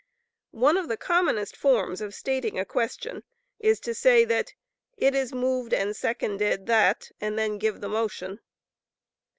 One of the commonest forms of stating a question is to say that, "It is moved and seconded that," and then give the motion.